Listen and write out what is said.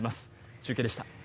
中継でした。